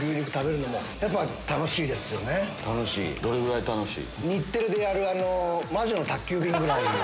どれぐらい楽しい？